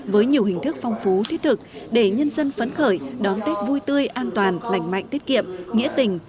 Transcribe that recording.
với nhiều hình thức phong phú thiết thực để nhân dân phấn khởi đón tết vui tươi an toàn lành mạnh tiết kiệm nghĩa tình